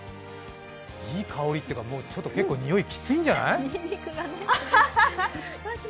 いい香りというか、もう匂いきついんじゃない？